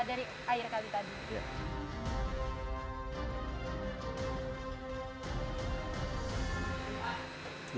dari air kali tadi